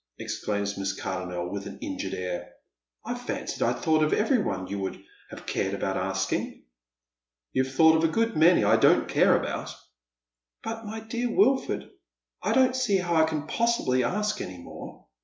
exclaims Miss Cardonnel, with an injured air. " I fancied I had thought of every one j'ou would have cared about asking." " You've thought of a good many I don't care about." "But, my dear Wilford, I don't see how I can possibly ask any more.